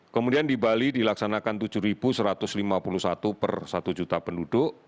kemudian di bali dilaksanakan tujuh satu ratus lima puluh satu per satu juta penduduk